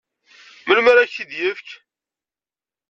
Melmi ara ak-t-id-yefk?